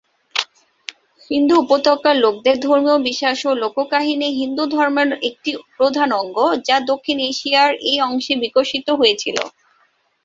সিন্ধু উপত্যকার লোকদের ধর্মীয় বিশ্বাস ও লোককাহিনী হিন্দু ধর্মের একটি প্রধান অঙ্গ, যা দক্ষিণ এশিয়ার এই অংশে বিকশিত হয়েছিল।